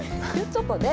ちょっとね。